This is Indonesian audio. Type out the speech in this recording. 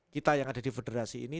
kita yang ada di federasi ini